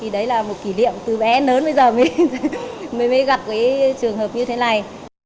đấy là một kỷ niệm từ bé lớn bây giờ mới gặp trường hợp như thế này